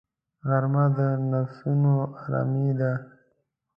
غرمه د نفسونو آرامي ده